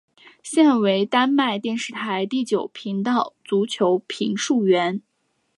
现为丹麦电视台第九频道足球评述员。